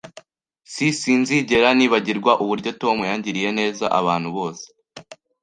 S Sinzigera nibagirwa uburyo Tom yagiriye neza abantu bose